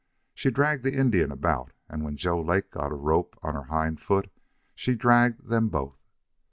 She dragged the Indian about, and when Joe Lake got a rope on her hind foot she dragged them both.